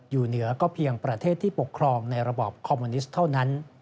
อยู่เหนือก็เพียงประเทศที่ปกครองในระบอบคอมมิวนิสต์เท่านั้น